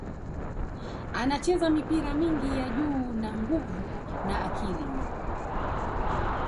Anacheza mipira mingi ya juu na nguvu na akili